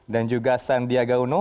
dan juga sandiaga uno